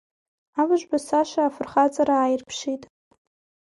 Абыџба Саша афырхаҵара ааирԥшит.